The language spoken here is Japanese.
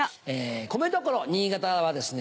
米どころ新潟はですね